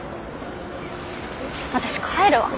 私帰るわ。